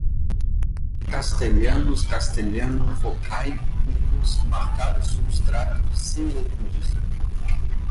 castelhanos, castelhano, vocáilicos, marcado substrato, similitudes